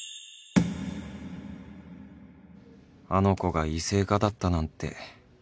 あの子が異性化だったなんて